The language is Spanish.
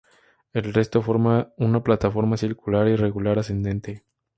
El resto forma una plataforma circular irregular ascendente.